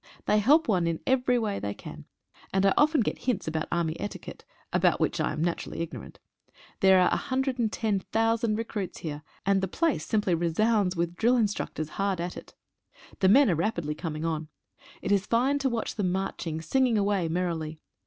They help one in every way they can, and I often get hints about army etiquette, about which I naturally am ignorant. There are 110,000 recruits here, and the place simply resounds with drill instructors hard at it. The men are rapidly coming on. It is fine to watch them marching, singing away merrily.